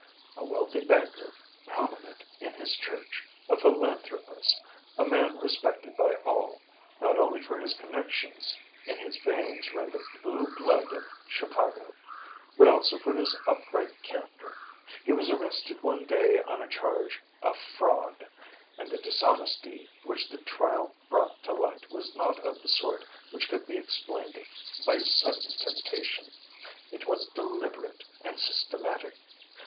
A wealthy banker, prominent in his church, a philanthropist, a man respected by all, not only for his connections (in his veins ran the blue blood of Chicago), but also for his upright character, he was arrested one day on a charge of fraud; and the dishonesty which the trial brought to light was not of the sort which could be explained by a sudden temptation; it was deliberate and systematic.